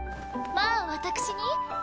まあ私に？